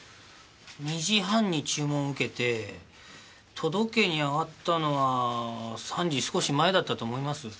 ２時半に注文を受けて届けにあがったのは３時少し前だったと思います。